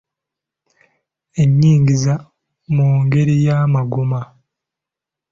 Ennyingiza mu ngeri y'amagoba.